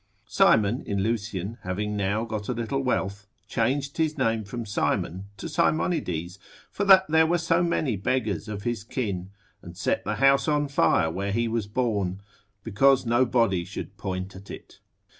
Simon in Lucian, having now got a little wealth, changed his name from Simon to Simonides, for that there were so many beggars of his kin, and set the house on fire where he was born, because no body should point at it.